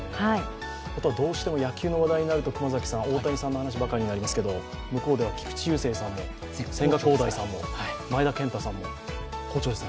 あとはどうしても野球の話題になると熊崎さん、大谷さんの話ばかりになりますけれども、向こうでは菊池雄星さんも千賀滉大さんも前田健太さんも好調です。